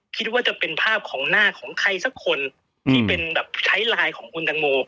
คิดว่าจะเป็นภาพของหน้าของใครสักคนที่เป็นแบบใช้ไลน์ของคุณตังโม